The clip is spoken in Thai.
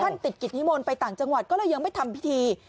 ติดกิจนิมนต์ไปต่างจังหวัดก็เลยยังไม่ทำพิธี